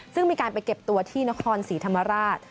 ซึ่งมีการไปเก็บตัวที่นครศรีธรรมราช